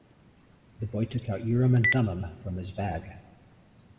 The boy took out Urim and Thummim from his bag.